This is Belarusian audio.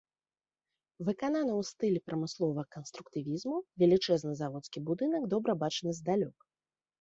Выкананы ў стылі прамысловага канструктывізму, велічэзны заводскі будынак добра бачны здалёк.